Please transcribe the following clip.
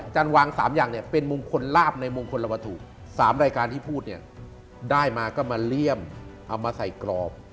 จันทร์วางสามอย่างเป็นมงคลลาภในมงคลละวัตถุสามรายการที่พูดได้มาก็มาเลี่ยมเอามาใส่กรอบ